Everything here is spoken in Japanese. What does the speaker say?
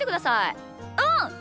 うん。